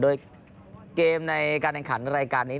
ด้วยเกมในรายการนี้